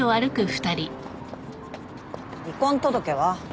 離婚届は？